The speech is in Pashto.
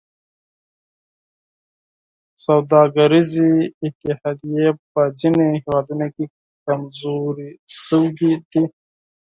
سوداګریزې اتحادیې په ځینو هېوادونو کې کمزورې شوي دي